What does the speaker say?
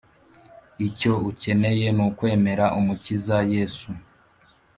icyo ukeneye nukwemera umukiza yesu